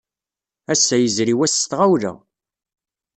Ass-a, yezri wass s tɣawla.